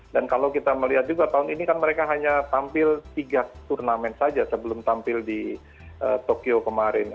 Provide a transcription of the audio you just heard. kalau kita melihat juga tahun ini kan mereka hanya tampil tiga turnamen saja sebelum tampil di tokyo kemarin